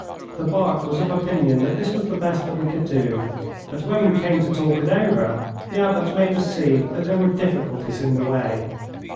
The Bart was of opinion that this was the best that we could do, but, when we came to talk it over, the Abbot made us see that there were difficulties in the way.